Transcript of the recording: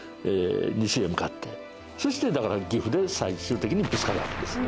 西へ向かってそして岐阜で最終的にぶつかるわけです。